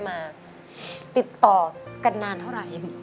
มาติดต่อกันนานเท่าไหร่